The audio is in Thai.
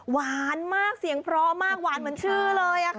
หวานมากเสียงเพราะมากหวานเหมือนชื่อเลยค่ะ